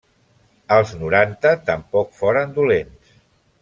Els noranta tampoc foren dolents.